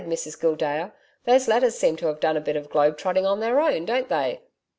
Mrs Gildea, those letters seem to have done a bit of globe trotting on their own, don't they!'